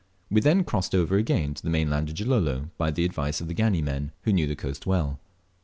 We then crossed over again to the mainland of Gilolo by the advice of our Gani men, who knew the coast well.